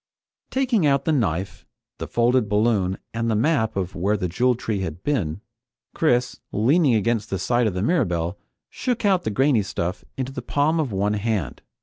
Taking out the knife, the folded balloon, and the map of where the Jewel Tree had been, Chris, leaning against the side of the Mirabelle, shook out the grainy stuff into the palm of one hand.